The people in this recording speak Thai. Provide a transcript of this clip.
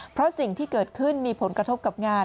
เพราะสิ่งที่เกิดขึ้นมีผลกระทบกับงาน